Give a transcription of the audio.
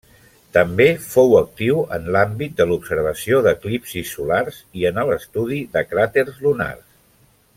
També fou actiu en l'àmbit de l'observació d'eclipsis solars i en l'estudi de cràters lunars.